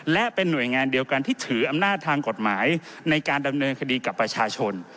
และเป็นหน่วยงานเดียวกันที่ถืออำนาจทางกฎหมายในการดำเนินคดีกับประชาชน